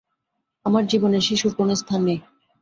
আমার জীবনে শিশুর কোনো স্থান নেই।